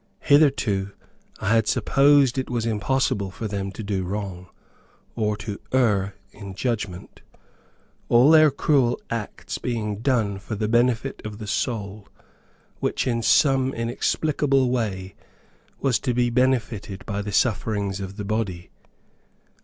Hitherto I had supposed it was impossible for them to do wrong, or to err in judgement; all their cruel acts being done for the benefit of the soul, which in some inexplicable way was to be benefited by the sufferings of the body.